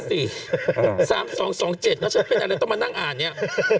๓๒๒๗แล้วฉันเป็นอะไรต้องมานั่งอ่านเนี่ย